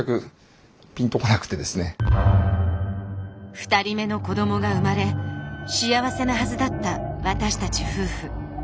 ２人目の子どもが生まれ幸せなはずだった私たち夫婦。